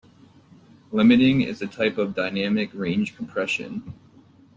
Limiting is a type of dynamic range compression.